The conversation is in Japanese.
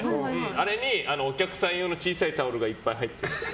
あれにお客さん用の小さいタオルがいっぱい入ってます。